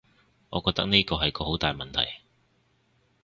我覺得呢個係個好大問題